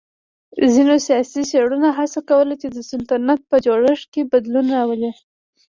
ځینو سیاسی څېرو هڅه کوله چې د سلطنت په جوړښت کې بدلون راولي.